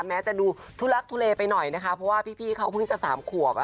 แม้จะดูทุลักทุเลไปหน่อยนะคะเพราะว่าพี่เขาเพิ่งจะสามขวบ